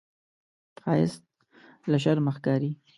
ښایست له شرمه ښکاري